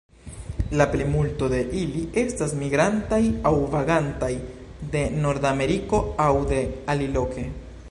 La plimulto de ili estas migrantaj aŭ vagantaj de Nordameriko aŭ de aliloke.